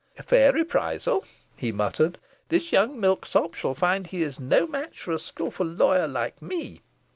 "A fair reprisal," he muttered; "this young milksop shall find he is no match for a skilful lawyer like me.